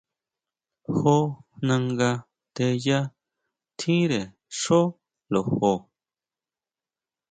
Jó nanga teyà tjínre xjó lojo.